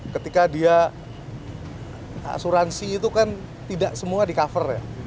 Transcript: ketika dia asuransi itu kan tidak semua di cover ya